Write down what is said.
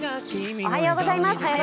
おはようございます。